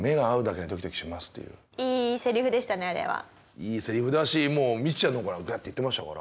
いいセリフだしもうミチちゃんの方からグッといってましたから。